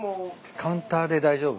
カウンターで大丈夫ですか？